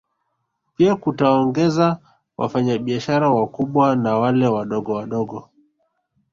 Pia kutaongeza wafanya biashara wakubwa na wale wadogowadogo